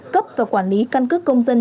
cấp và quản lý căn cước công dân